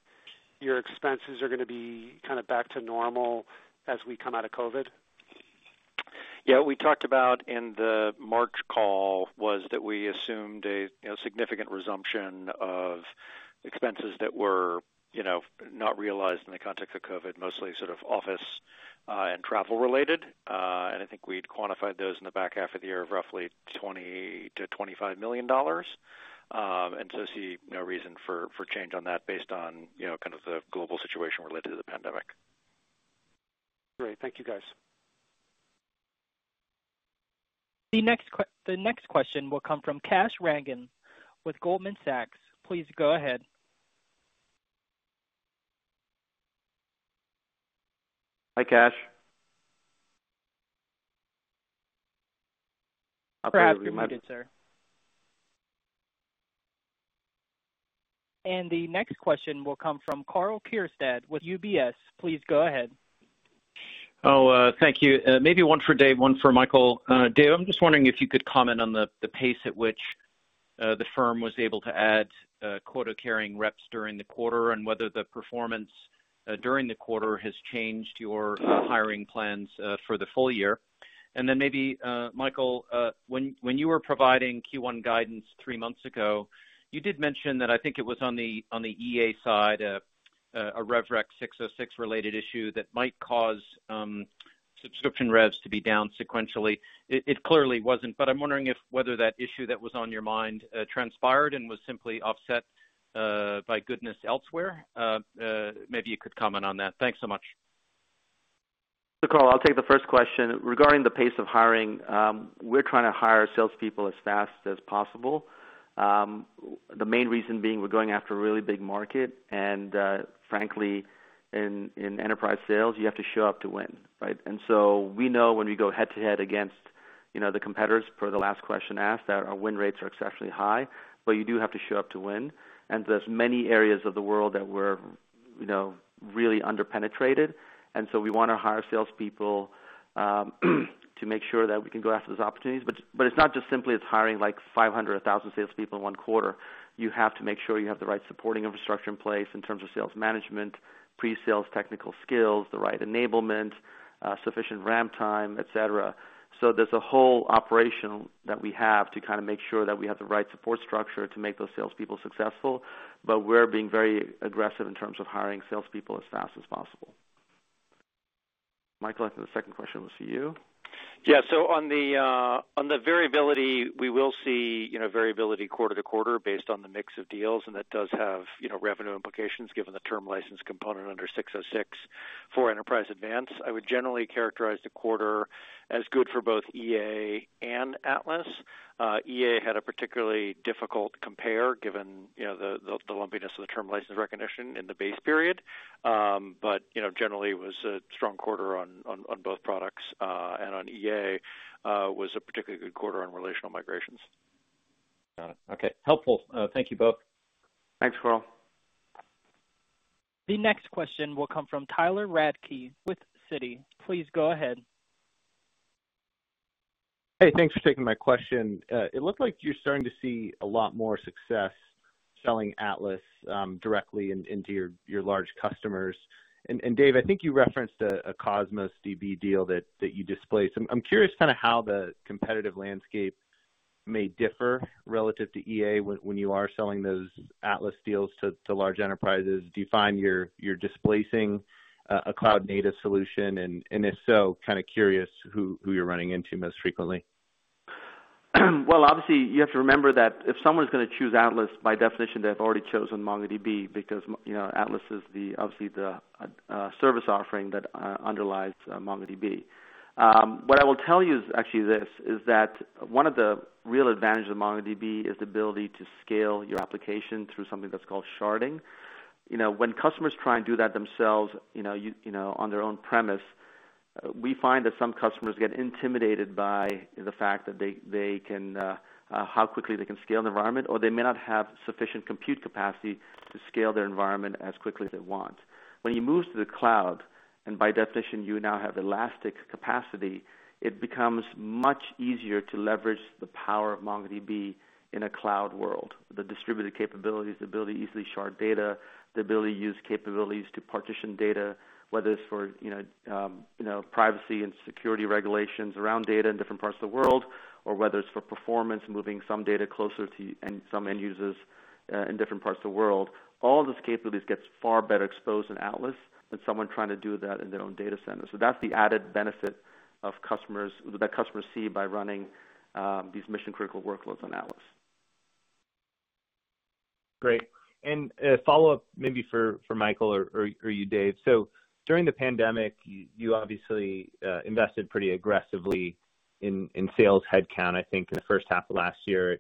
your expenses are going to be back to normal as we come out of COVID? Yeah, what we talked about in the March call was that we assumed a significant resumption of expenses that were not realized in the context of COVID, mostly sort of office and travel related. I think we'd quantified those in the back half of the year of roughly $20 million-$25 million. See no reason for change on that based on the global situation related to the pandemic. Great. Thank you, guys. The next question will come from Kash Rangan with Goldman Sachs. Please go ahead. Hi, Kash. Your line is muted, sir. The next question will come from Karl Keirstead with UBS. Please go ahead. Thank you. Maybe one for Dev, one for Michael. Dev, I'm just wondering if you could comment on the pace at which the firm was able to add quota-carrying reps during the quarter and whether the performance during the quarter has changed your hiring plans for the full year. Maybe, Michael, when you were providing Q1 guidance three months ago, you did mention that I think it was on the EA side, a RevRec 606 related issue that might cause subscription revs to be down sequentially. It clearly wasn't, I'm wondering whether that issue that was on your mind transpired and was simply offset by goodness elsewhere. Maybe you could comment on that. Thanks so much. Michael, I'll take the first question. Regarding the pace of hiring, we're trying to hire salespeople as fast as possible. The main reason being we're going after a really big market, and frankly, in enterprise sales, you have to show up to win, right? We know when you go head-to-head against the competitors per the last question asked, that our win rates are exceptionally high, but you do have to show up to win. There's many areas of the world that we're really under-penetrated, and so we want to hire salespeople to make sure that we can go after those opportunities. But it's not just simply us hiring 500 or 1,000 salespeople in one quarter. You have to make sure you have the right supporting infrastructure in place in terms of sales management, pre-sales technical skills, the right enablement, sufficient ramp time, et cetera. There's a whole operation that we have to make sure that we have the right support structure to make those salespeople successful. We're being very aggressive in terms of hiring salespeople as fast as possible. Michael, I think the second question was for you. Yeah. On the variability, we will see variability quarter to quarter based on the mix of deals, and that does have revenue implications given the term license component under 606 for Enterprise Advanced. I would generally characterize the quarter as good for both EA and Atlas. EA had a particularly difficult compare given the lumpiness of the term license recognition in the base period. Generally, it was a strong quarter on both products, and on EA, was a particularly good quarter on relational migrations. Okay. Helpful. Thank you both. Thanks, Karl. The next question will come from Tyler Radke with Citi. Please go ahead. Hey, thanks for taking my question. It looked like you're starting to see a lot more success selling Atlas directly into your large customers. Dev, I think you referenced a Cosmos DB deal that you displaced. I'm curious how the competitive landscape may differ relative to EA when you are selling those Atlas deals to large enterprises. Do you find you're displacing a cloud-native solution? If so, kind of curious who you're running into most frequently. Well, obviously, you have to remember that if someone's going to choose Atlas, by definition, they've already chosen MongoDB because Atlas is obviously the service offering that underlies MongoDB. What I will tell you is actually this, is that one of the real advantages of MongoDB is the ability to scale your application through something that's called sharding. When customers try and do that themselves on their own premise, we find that some customers get intimidated by the fact that how quickly they can scale the environment, or they may not have sufficient compute capacity to scale their environment as quickly as they want. When you move to the cloud, and by definition, you now have elastic capacity, it becomes much easier to leverage the power of MongoDB in a cloud world. The distributed capabilities, the ability to easily shard data, the ability to use capabilities to partition data, whether it's for privacy and security regulations around data in different parts of the world, or whether it's for performance, moving some data closer to some end users in different parts of the world. All of those capabilities get far better exposed in Atlas than someone trying to do that in their own data center. That's the added benefit that customers see by running these mission-critical workloads on Atlas. Great. A follow-up maybe for Michael or you, Dev. During the pandemic, you obviously invested pretty aggressively in sales headcount. I think in the first half of last year,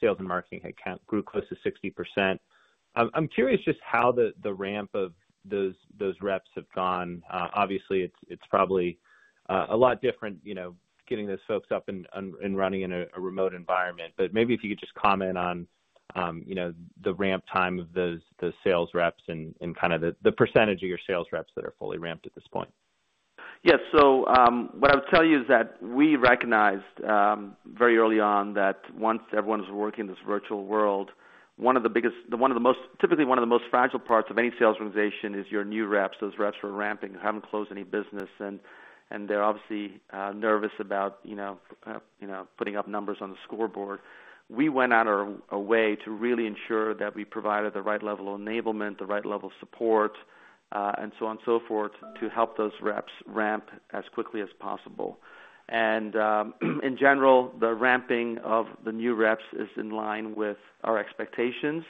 sales and marketing headcount grew close to 60%. I'm curious just how the ramp of those reps have gone. Obviously, it's probably a lot different getting this soaked up and running in a remote environment. Maybe if you could just comment on the ramp time of the sales reps and the percentage of your sales reps that are fully ramped at this point. What I'll tell you is that we recognized very early on that once everyone was working in this virtual world, typically one of the most fragile parts of any sales organization is your new reps, those reps who are ramping and haven't closed any business. They're obviously nervous about putting up numbers on the scoreboard. We went out of our way to really ensure that we provided the right level of enablement, the right level of support, and so on and so forth, to help those reps ramp as quickly as possible. In general, the ramping of the new reps is in line with our expectations,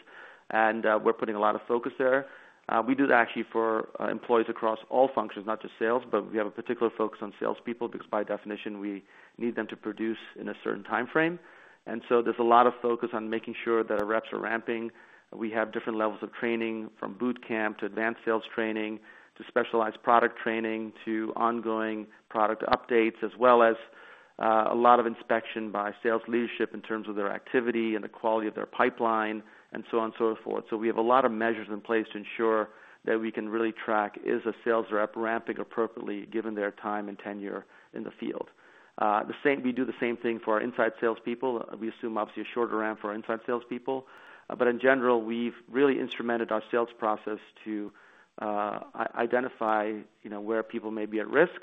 and we're putting a lot of focus there. We do that actually for employees across all functions, not just sales, but we have a particular focus on salespeople because by definition, we need them to produce in a certain time frame. There's a lot of focus on making sure that our reps are ramping. We have different levels of training from boot camp to advanced sales training to specialized product training to ongoing product updates, as well as a lot of inspection by sales leadership in terms of their activity and the quality of their pipeline and so on and so forth. We have a lot of measures in place to ensure that we can really track is a sales rep ramping appropriately given their time and tenure in the field. We do the same thing for our inside salespeople. We assume obviously a shorter ramp for inside salespeople. In general, we've really instrumented our sales process to identify where people may be at risk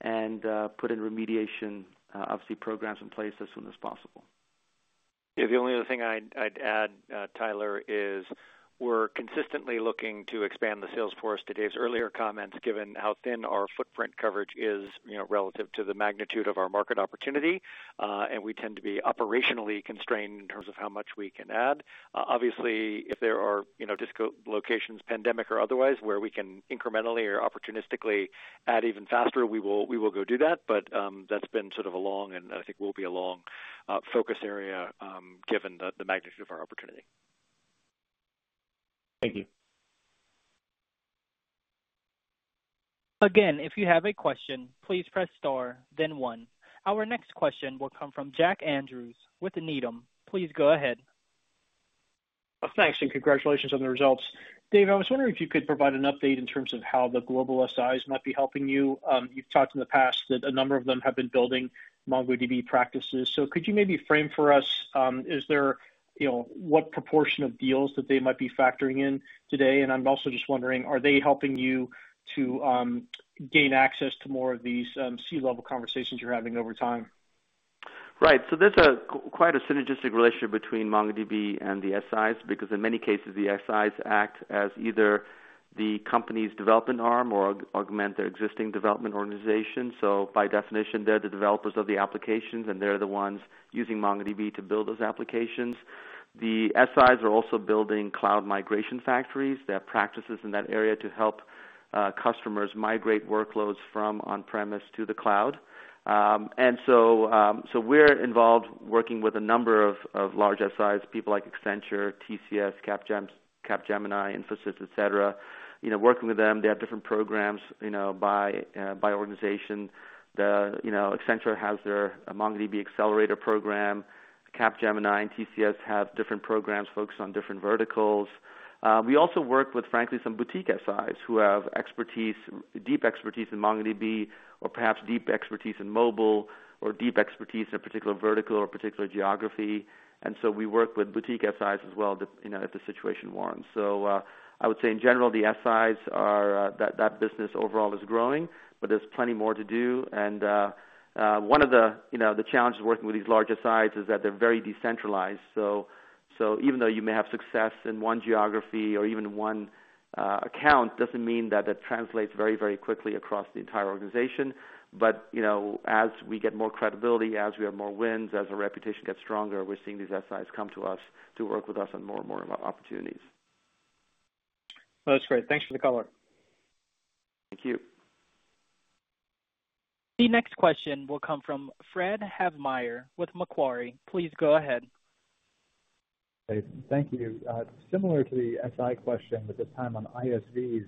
and put in remediation, obviously, programs in place as soon as possible. The only other thing I'd add, Tyler, is we're consistently looking to expand the sales force to Dev's earlier comments, given how thin our footprint coverage is relative to the magnitude of our market opportunity. We tend to be operationally constrained in terms of how much we can add. Obviously, if there are just locations, pandemic or otherwise, where we can incrementally or opportunistically add even faster, we will go do that. That's been sort of a long, and I think will be a long focus area given the magnitude of our opportunity. Thank you. Again, if you have a question, please press star then one. Our next question will come from Jack Andrews with Needham. Please go ahead. Thanks, congratulations on the results. Dev, I was wondering if you could provide an update in terms of how the global SIs might be helping you. You've talked in the past that a number of them have been building MongoDB practices. Could you maybe frame for us, what proportion of deals that they might be factoring in today? I'm also just wondering, are they helping you to gain access to more of these C-level conversations you're having over time? Right. There's quite a synergistic relationship between MongoDB and the SIs because in many cases, the SIs act as either the company's development arm or augment their existing development organization. By definition, they're the developers of the applications, and they're the ones using MongoDB to build those applications. The SIs are also building cloud migration factories. They have practices in that area to help customers migrate workloads from on-premise to the cloud. We're involved working with a number of large SIs, people like Accenture, TCS, Capgemini, Infosys, et cetera. Working with them, they have different programs by organization. Accenture has their MongoDB Accelerator program. Capgemini and TCS have different programs focused on different verticals. We also work with, frankly, some boutique SIs who have deep expertise in MongoDB or perhaps deep expertise in mobile or deep expertise in a particular vertical or particular geography. We work with boutique SIs as well if the situation warrants. I would say in general, the SIs, that business overall is growing, but there's plenty more to do. One of the challenges working with these large SIs is that they're very decentralized. Even though you may have success in one geography or even one account, doesn't mean that it translates very, very quickly across the entire organization. As we get more credibility, as we have more wins, as our reputation gets stronger, we're seeing these SIs come to us to work with us on more and more opportunities. That's great. Thanks for the color. Thank you. The next question will come from Fred Havemeyer with Macquarie. Please go ahead. Thanks. Thank you. Similar to the SI question, but this time on ISVs,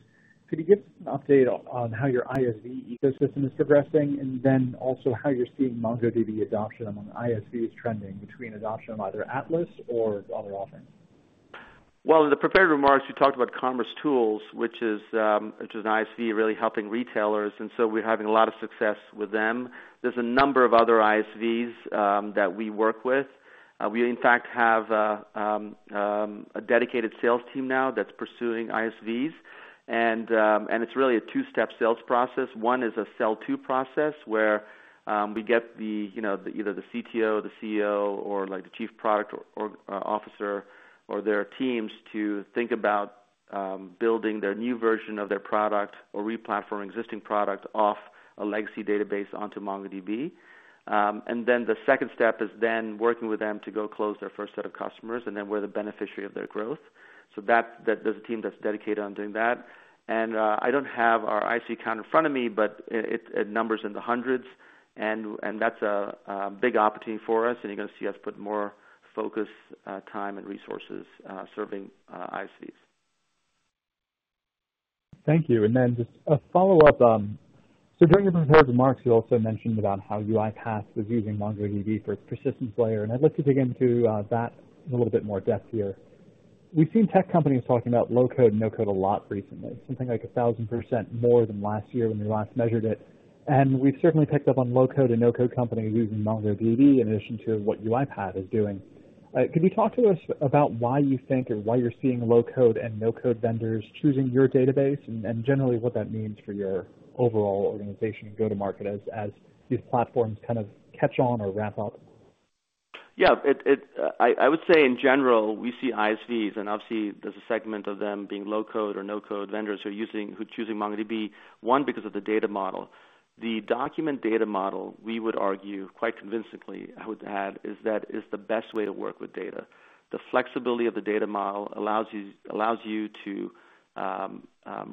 could you give us an update on how your ISV ecosystem is progressing and then also how you're seeing MongoDB adoption among ISVs trending between adoption on either Atlas or as a raw thing? Well, in the prepared remarks, we talked about commercetools, which is an ISV really helping retailers, and so we're having a lot of success with them. There's a number of other ISVs that we work with. We, in fact, have a dedicated sales team now that's pursuing ISVs. It's really a two-step sales process. One is a sell-to process where we get either the CTO, the CEO, or the chief product officer or their teams to think about building their new version of their product or replatforming existing products off a legacy database onto MongoDB. The second step is then working with them to go close their first set of customers, and then we're the beneficiary of their growth. There's a team that's dedicated on doing that. I don't have our ISV count in front of me, but it numbers in the hundreds. That's a big opportunity for us, and you're going to see us put more focus, time, and resources serving ISVs. Thank you. Just a follow-up on, during your prepared remarks, you also mentioned about how UiPath was using MongoDB for its persistence layer. I'd love to dig into that a little bit more depth here. We've seen tech companies talking about low-code and no-code a lot recently, something like 1,000% more than last year when we last measured it. We've certainly picked up on low-code and no-code companies using MongoDB in addition to what UiPath is doing. Can you talk to us about why you think or why you're seeing low-code and no-code vendors choosing your database, and generally what that means for your overall organization go-to-market as these platforms kind of catch on or ramp up? Yeah. I would say in general, we see ISVs, obviously there's a segment of them being low-code or no-code vendors who are choosing MongoDB, one, because of the data model. The document data model, we would argue quite convincingly, I would add, is that it's the best way to work with data. The flexibility of the data model allows you to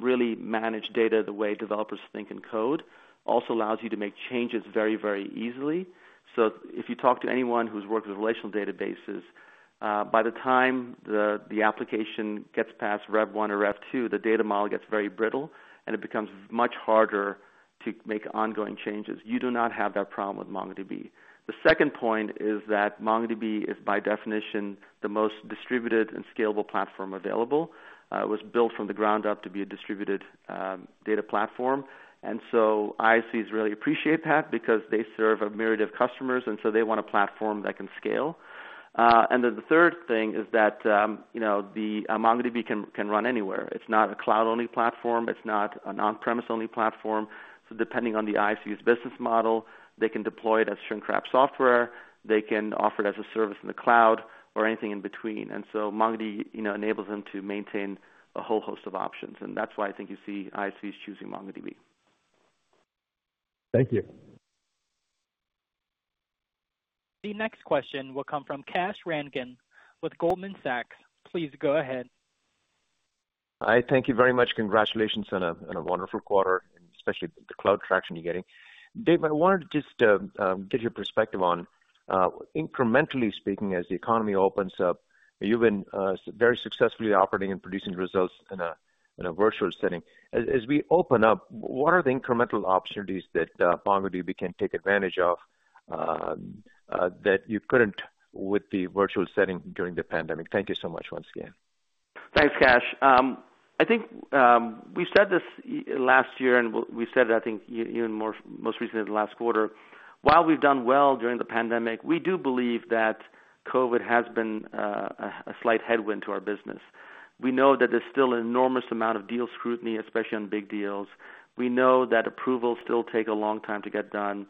really manage data the way developers think in code. Also allows you to make changes very, very easily. If you talk to anyone who's worked with relational databases, by the time the application gets past rev one or rev two, the data model gets very brittle and it becomes much harder to make ongoing changes. You do not have that problem with MongoDB. The second point is that MongoDB is by definition the most distributed and scalable platform available. It was built from the ground up to be a distributed data platform. ISVs really appreciate that because they serve a myriad of customers, and so they want a platform that can scale. The third thing is that MongoDB can run anywhere. It's not a cloud-only platform. It's not an on-premise only platform. Depending on the ISV's business model, they can deploy it as shrink-wrapped software, they can offer it as a service in the cloud or anything in between. MongoDB enables them to maintain a whole host of options, and that's why I think you see ISVs choosing MongoDB. Thank you. The next question will come from Kash Rangan with Goldman Sachs. Please go ahead. Hi. Thank you very much. Congratulations on a wonderful quarter and especially the cloud traction you're getting. Dev, I wanted to just get your perspective on, incrementally speaking, as the economy opens up, you've been very successfully operating and producing results in a virtual setting. As we open up, what are the incremental opportunities that MongoDB can take advantage of that you couldn't with the virtual setting during the pandemic? Thank you so much once again. Thanks, Kash Rangan. I think we said this last year, and we said, I think even most recently last quarter, while we've done well during the pandemic, we do believe that COVID-19 has been a slight headwind to our business. We know that there's still an enormous amount of deal scrutiny, especially on big deals. We know that approvals still take a long time to get done.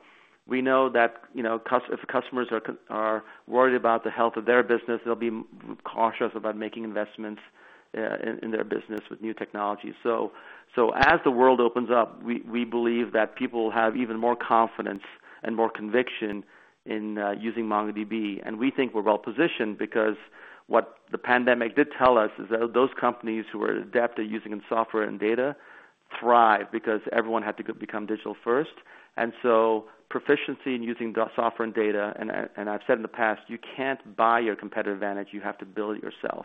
We know that if customers are worried about the health of their business, they'll be cautious about making investments in their business with new technology. As the world opens up, we believe that people have even more confidence and more conviction in using MongoDB. We think we're well-positioned because what the pandemic did tell us is that those companies who are adept at using software and data thrive because everyone had to become digital first. Proficiency in using software and data, I've said in the past, you can't buy your competitive advantage, you have to build it yourself.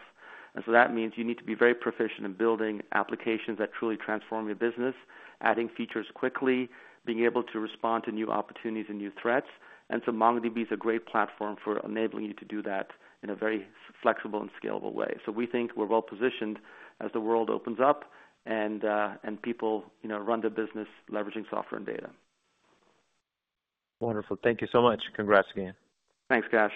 That means you need to be very proficient in building applications that truly transform your business, adding features quickly, being able to respond to new opportunities and new threats. MongoDB is a great platform for enabling you to do that in a very flexible and scalable way. We think we're well-positioned as the world opens up and people run the business leveraging software and data. Wonderful. Thank you so much. Congrats again. Thanks, Kash.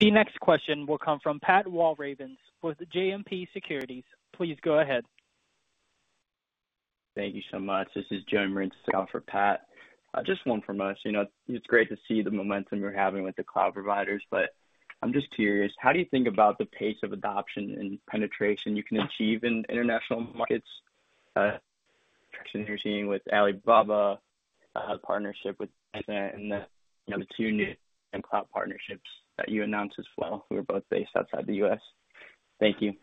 The next question will come from Pat Walravens with JMP Securities. Please go ahead. Thank you so much. This is Joe for Pat. Just one from us. It's great to see the momentum you're having with the cloud providers, but I'm just curious, how do you think about the pace of adoption and penetration you can achieve in international markets, especially you're seeing with Alibaba, partnership with Tencent, and the two new cloud partnerships that you announced as well, who are both based outside the U.S. Thank you.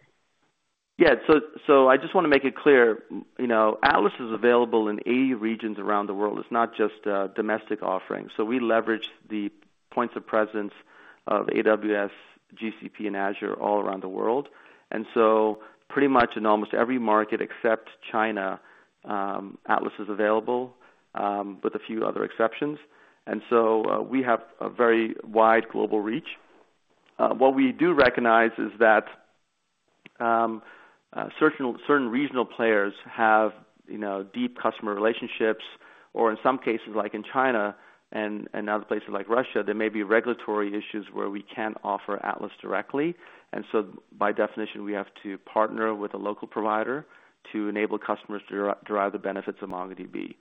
I just want to make it clear, Atlas is available in 80 regions around the world. It's not just a domestic offering. We leverage the points of presence of AWS, GCP, and Azure all around the world. Pretty much in almost every market except China, Atlas is available, with a few other exceptions. We have a very wide global reach. What we do recognize is that certain regional players have deep customer relationships. In some cases, like in China and other places like Russia, there may be regulatory issues where we can't offer Atlas directly. By definition, we have to partner with a local provider to enable customers to derive the benefits of MongoDB.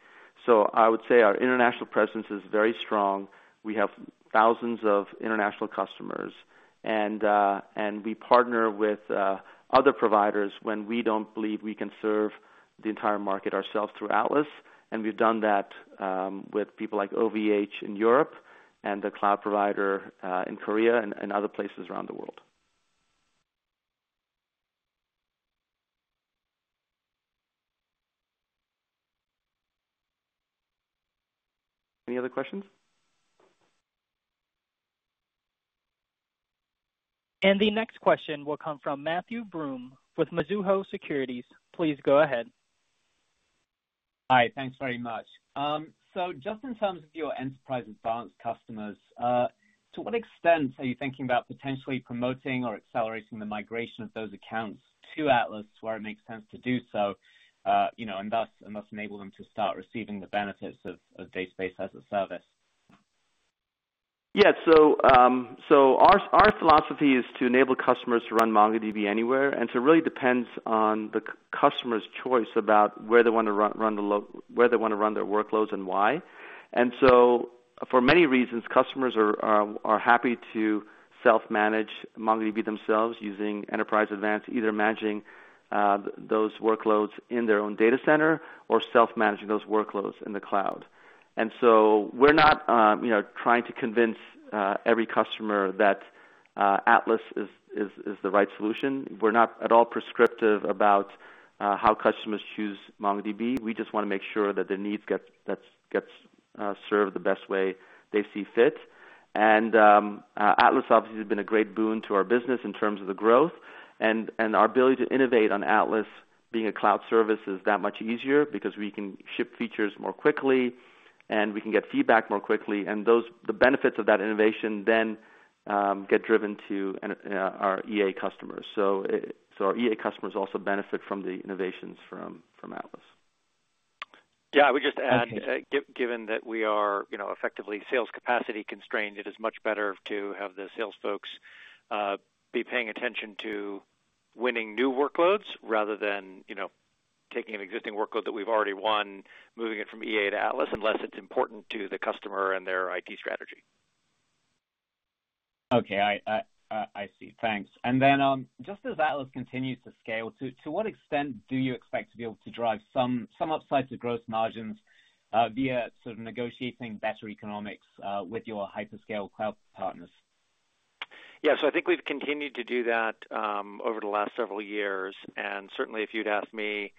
I would say our international presence is very strong. We have thousands of international customers, we partner with other providers when we don't believe we can serve the entire market ourselves through Atlas. We've done that with people like OVH in Europe and the cloud provider in Korea and other places around the world. Any other questions? The next question will come from Matthew Broome with Mizuho Securities. Please go ahead. Hi. Thanks very much. Just in terms of your Enterprise Advanced customers, to what extent are you thinking about potentially promoting or accelerating the migration of those accounts to Atlas where it makes sense to do so, and thus enable them to start receiving the benefits of database as a service? Yeah. Our philosophy is to enable customers to run MongoDB anywhere, it really depends on the customer's choice about where they want to run their workloads and why. For many reasons, customers are happy to self-manage MongoDB themselves using Enterprise Advanced, either managing those workloads in their own data center or self-managing those workloads in the cloud. We're not trying to convince every customer that Atlas is the right solution. We're not at all prescriptive about how customers choose MongoDB. We just want to make sure that their needs get served the best way they see fit. Atlas obviously has been a great boon to our business in terms of the growth, and our ability to innovate on Atlas being a cloud service is that much easier because we can ship features more quickly, and we can get feedback more quickly. The benefits of that innovation then get driven to our EA customers. Our EA customers also benefit from the innovations from Atlas. Yeah. We just added, given that we are effectively sales capacity constrained, it is much better to have the sales folks be paying attention to winning new workloads rather than taking an existing workload that we've already won, moving it from EA to Atlas, unless it's important to the customer and their IT strategy. Okay. I see. Thanks. Just as Atlas continues to scale, to what extent do you expect to be able to drive some slight to gross margins via negotiating better economics with your hyperscale cloud partners? Yeah. I think we've continued to do that over the last several years, and certainly if you'd asked me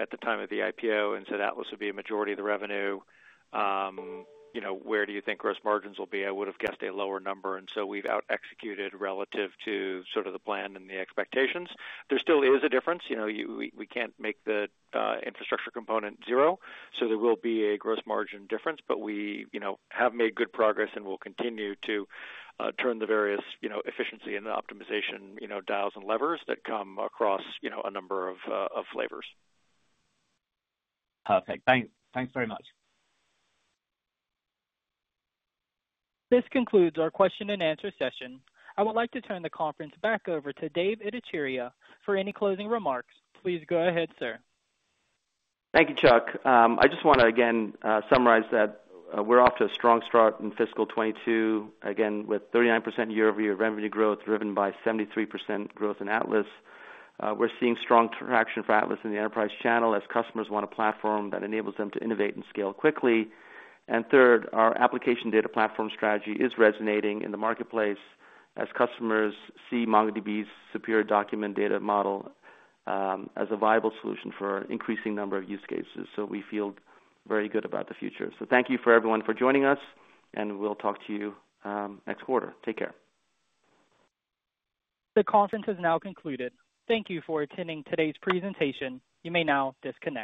at the time of the IPO into that would be a majority of the revenue, where do you think gross margins will be? I would've guessed a lower number. We've outexecuted relative to the plan and the expectations. There still is a difference. We can't make the infrastructure component zero, so there will be a gross margin difference. We have made good progress and will continue to turn the various efficiency and optimization dials and levers that come across a number of flavors. Perfect. Thanks very much. This concludes our question and answer session. I would like to turn the conference back over to Dev Ittycheria for any closing remarks. Please go ahead, sir. Thank you, Chuck. I just want to, again, summarize that we're off to a strong start in fiscal 2022, again, with 39% year-over-year revenue growth driven by 73% growth in Atlas. We're seeing strong traction for Atlas in the enterprise channel as customers want a platform that enables them to innovate and scale quickly. Third, our application data platform strategy is resonating in the marketplace as customers see MongoDB's superior document data model as a viable solution for an increasing number of use cases. We feel very good about the future. Thank you for everyone for joining us, and we will talk to you next quarter. Take care. The conference has now concluded. Thank you for attending today's presentation. You may now disconnect.